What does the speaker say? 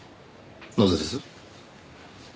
なぜです？